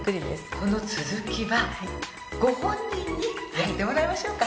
この続きはご本人にやってもらいましょうか。